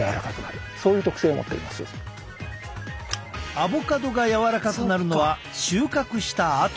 アボカドが柔らかくなるのは収穫したあと！